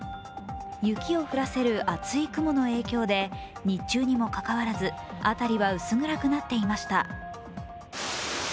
雪を降らせる厚い雲の影響で日中にもかかわらず辺りは薄暗くなっていました。